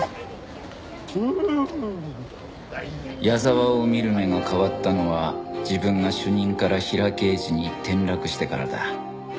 矢沢を見る目が変わったのは自分が主任からヒラ刑事に転落してからだ